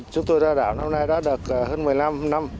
chúng tôi ra đảo năm nay đã được hơn một mươi năm năm